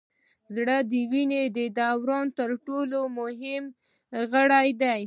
زړه د وینې د دوران تر ټولو مهم غړی دی